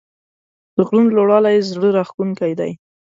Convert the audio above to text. د غرونو لوړوالی زړه راښکونکی دی.